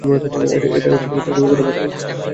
এটা গুরুতর অপরাধ!